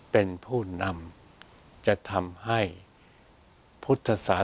เป็นผู้นำจะทำให้พุทธศาสต